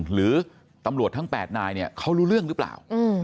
หรือตำรวจทั้ง๘นายเนี่ยเขารู้เรื่องหรือเปล่า